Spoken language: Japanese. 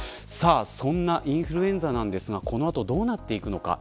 そんなんインフルエンザですがこの後どうなっていくのか。